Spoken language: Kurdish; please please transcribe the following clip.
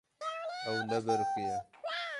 Ew nebiriqiye.